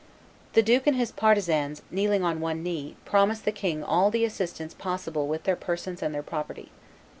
The duke and his partisans, kneeling on one knee, promised the king all the assistance possible with their persons and their property.